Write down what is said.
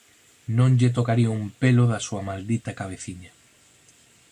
Non lle tocaría un pelo da súa maldita cabeciña.